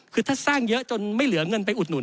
คือถ้าสร้างเยอะจนไม่เหลือเงินไปอุดหนุ